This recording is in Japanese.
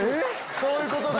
そういうことだ！